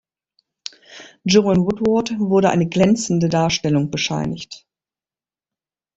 Joanne Woodward wurde eine „glänzende“ Darstellung bescheinigt.